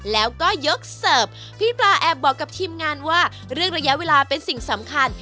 แล้วก็ยกเสิร์ฟพี่ปลาแอบบอกกับทีมงานว่าเรื่องระยะเวลาเป็นสิ่งสำคัญ